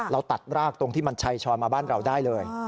เราตัดรากตรงที่มันชัยชอนมาบ้านเราได้เลย